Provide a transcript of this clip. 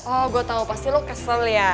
oh gue tau pasti lo kesel ya